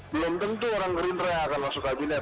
belum tentu orang gerindra yang akan masuk kabinet